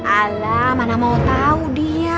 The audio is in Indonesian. alah mana mau tau dia